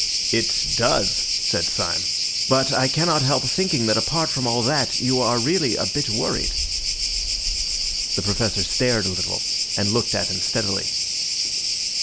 "It does," said Syme; "but I cannot help thinking that apart from all that you are really a bit worried." The Professor started a little and looked at him steadily.